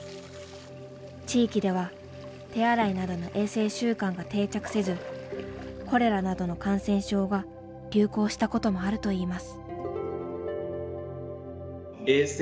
地域では手洗いなどの衛生習慣が定着せずコレラなどの感染症が流行したこともあるといいます。